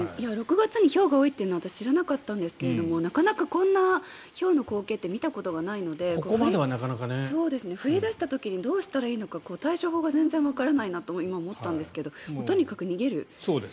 ６月にひょうが多いっていうのは私、知らなかったんですがなかなかこんなひょうの光景って見たことがないので降り出した時にどうしたらいいのか対処法が全然わからないなと今、思ったんですけどとにかく逃げる。